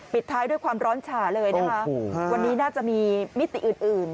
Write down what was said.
ท้ายด้วยความร้อนฉ่าเลยนะคะวันนี้น่าจะมีมิติอื่น